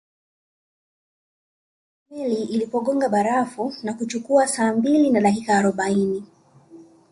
Hadi pale meli ilipogonga barafu na kuchukua saa mbili na dakika arobaini